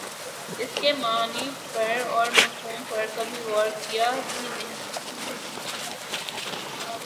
اسکے معانی پر اور مفہوم پر کبھی غورکیا بھی نہیں